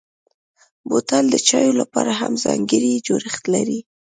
بوتل د چايو لپاره هم ځانګړی جوړښت لري.